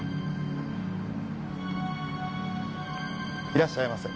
いらっしゃいませ。